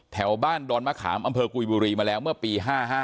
แถวบ้านดอนมะขามอำเภอกุยบุรีมาแล้วเมื่อปี๕๕